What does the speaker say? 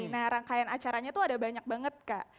nah rangkaian acaranya tuh ada banyak banget kak